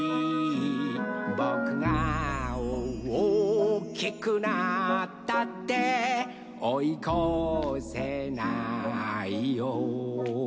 「ぼくがおおきくなったっておいこせないよ」